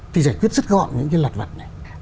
thì giải quyết rất gọn những cái lặt vặt này